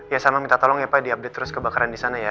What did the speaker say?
ya sama minta tolong ya pak di update terus kebakaran di sana ya